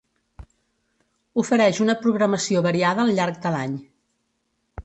Ofereix una programació variada al llarg de l'any.